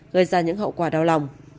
gây ra những hậu quả đau lòng